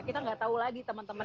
kita gak tau lagi temen temen